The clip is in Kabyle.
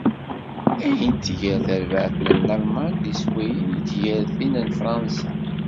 Ayen d-tger terbaεt n Lalman d iswiyen i d-tger tin n Fransa.